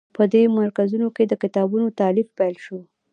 په دې مرکزونو کې د کتابونو تألیف پیل شو.